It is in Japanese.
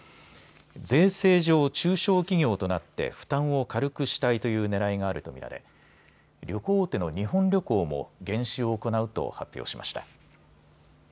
税制上、中小企業となって負担を軽くしたいというねらいがあると見られ旅行大手の日本旅行も減資を行うと発表しました。